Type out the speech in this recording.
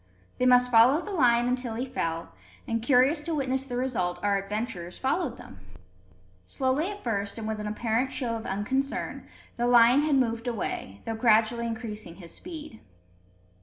They must follow the lion until he fell; and, curious to witness the result, our adventurers followed them. Slowly at first, and with an apparent show of unconcern, the lion had moved away, though gradually increasing his speed.